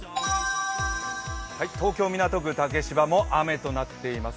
東京・港区竹芝も雨となっています。